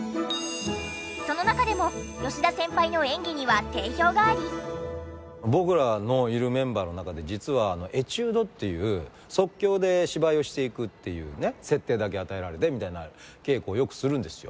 その中でも僕らのいるメンバーの中で実はエチュードっていう即興で芝居をしていくっていうね設定だけ与えられてみたいな稽古をよくするんですよ。